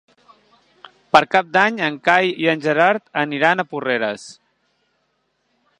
Per Cap d'Any en Cai i en Gerard aniran a Porreres.